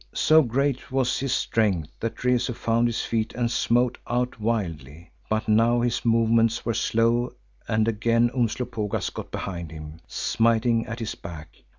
Still, so great was his strength that Rezu found his feet and smote out wildly. But now his movements were slow and again Umslopogaas got behind him, smiting at his back.